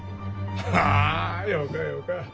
ああよかよか！